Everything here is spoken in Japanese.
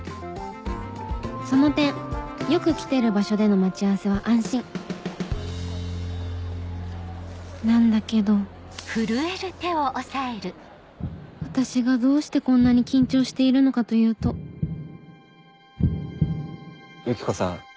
その点よく来てる場所での待ち合わせは安心なんだけど私がどうしてこんなに緊張しているのかというとユキコさん